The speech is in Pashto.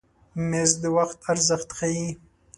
مېز د وخت ارزښت ښیي.